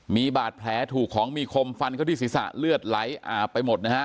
มีบาดแผลถูกของมีคมฟันเข้าที่ศีรษะเลือดไหลอาบไปหมดนะฮะ